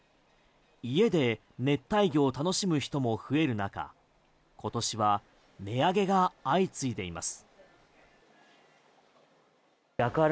家で熱帯魚を楽しむ人も増える中今年は値上げが相次いでいます。